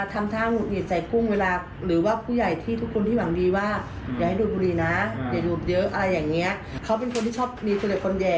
อย่าดูเยอะอะไรอย่างเงี้ยเขาเป็นคนที่ชอบมีตัวเด็ดคนแย่